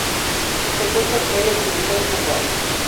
Se encuentra Australia occidental y central.